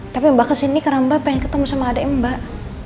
tapi mbak kesini karena mbak pengen ketemu sama adik mbak